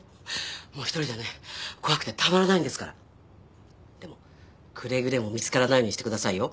もう１人じゃね怖くてたまらないんですからでもくれぐれも見つからないようにしてくださいよ